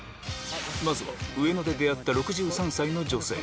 まずは上野で出会った６３歳の女性。